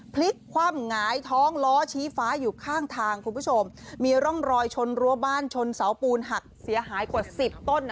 พลิกคว่ำหงายท้องล้อชี้ฟ้าอยู่ข้างทางคุณผู้ชมมีร่องรอยชนรั้วบ้านชนเสาปูนหักเสียหายกว่าสิบต้น